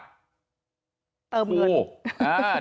เติมเงิน